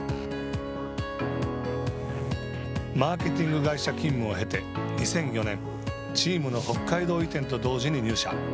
マーケティング会社勤務を経て２００４年、チームの北海道移転と同時に入社。